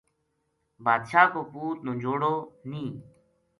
بادشاہ کو پوت نجوڑو نیہہ